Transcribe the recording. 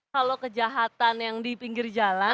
kalau kejahatan yang di pinggir jalan